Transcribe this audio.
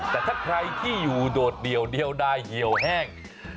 แต่ถ้าใครที่อยู่โดดเดี่ยวเดียวได้เหี่ยวแห้ง